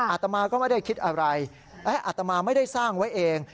อาตมาก็ไม่ได้คิดอะไรและอัตมาไม่ได้สร้างไว้เอง